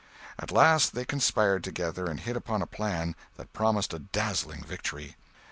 At last they conspired together and hit upon a plan that promised a dazzling victory.